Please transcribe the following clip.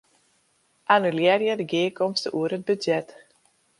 Annulearje de gearkomste oer it budzjet.